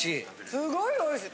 すごいおいしい。